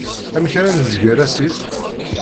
Amek ara nezger asif?